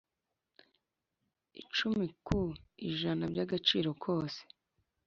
icumi ku ijana by’ agaciro kose